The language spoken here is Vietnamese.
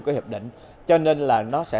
của hiệp định cho nên là nó sẽ